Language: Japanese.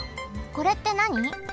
これってなに？